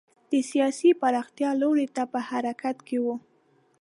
د سیاسي پراختیا لور ته په حرکت کې و.